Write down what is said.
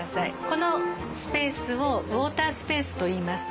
このスペースをウォータースペースといいます。